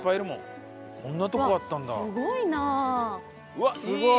うわっすごい！